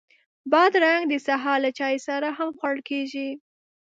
بادرنګ د سهار له چای سره هم خوړل کېږي.